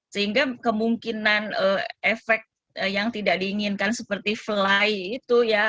sehingga kemungkinan efek yang tidak diinginkan seperti fly itu ya